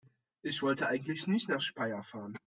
Ich wollte eigentlich nicht nach Speyer fahren